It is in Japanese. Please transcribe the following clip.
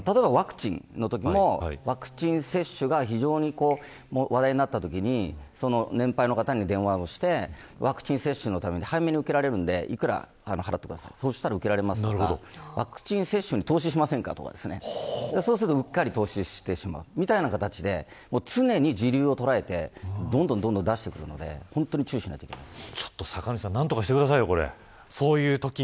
例えば、ワクチンのときもワクチン接種が非常に話題になったときに年配の方に電話をしてワクチン接種のために幾ら払ってくださいそしたら受けられますからとワクチン接種に投資しませんかとかですねそうすると、うっかり投資してしまうみたいな形で常に時流を捉えてどんどん出してくるので本当に注意しないといけないです。